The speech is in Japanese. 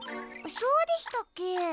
そうでしたっけ？